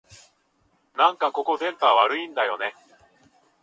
なんかここ、電波悪いんだよねえ